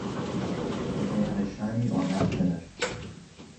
It may have a shiny or matte finish.